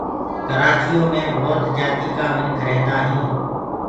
ڪرآچيو مي ڀوت جآتيٚ ڪآ منک ريهدآ هينٚ